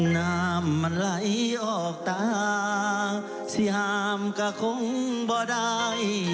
น้ำมันไหลออกตาสิห้ามก็คงบ่ได้